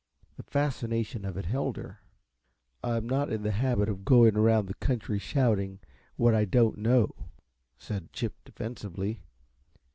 The fascination of it held her. "I'm not in the habit of going around the country shouting what I don't know," said Chip, defensively.